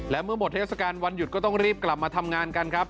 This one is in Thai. และเมื่อหมดเทศกาลวันหยุดก็ต้องรีบกลับมาทำงานกันครับ